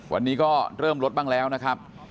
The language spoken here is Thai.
วันนี้ก็เริ่มลดบ้างแล้วนะครับ